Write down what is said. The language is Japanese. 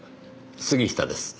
杉下です。